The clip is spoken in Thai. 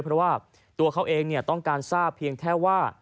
เพราะว่าตัวเขาเองต้องการทราบเพียงแค่ว่า